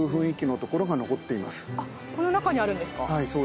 この中にあるんですか。